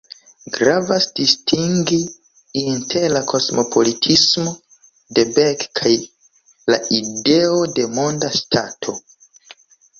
Gravas distingi inter la kosmopolitismo de Beck kaj la ideo de monda ŝtato.